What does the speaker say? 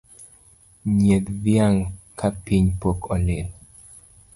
Nyiedh dhiang’ kapiny pok olil.